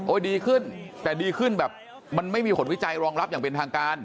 ดีขึ้นแต่ดีขึ้นแบบมันไม่มีผลวิจัยรองรับอย่างเป็นทางการ